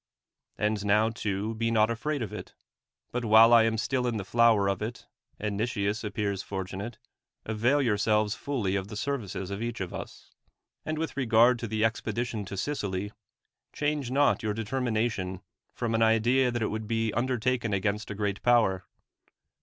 And now too be not afraid of it ; but while I am still in the flower of it, and Xieias appears fortunate, avail your S(^lves fully of the services of each of us. And with regard to the expedition to Sicily, change not your determination from an idea that it would be undertaken against a great power.